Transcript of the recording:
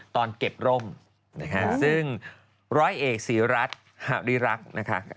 ตอนเก็บร่มนะคะซึ่งร้อยเอกศรีรัฐหาริรักษ์นะคะ